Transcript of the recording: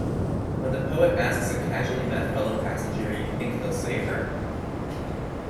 When the poet asks a casually-met fellow-passenger, You think they'll save her?